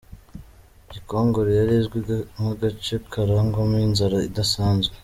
Gikongoro yari izwi nk’agace karangwamo inzara idasanzwe.